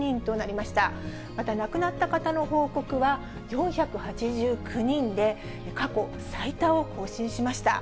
また亡くなった方の報告は４８９人で、過去最多を更新しました。